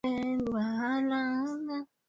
Mpaka leo hii mahandaki hayo yanapatikana hapo